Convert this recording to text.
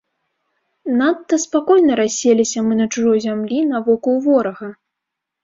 Надта спакойна расселіся мы на чужой зямлі на воку ў ворага.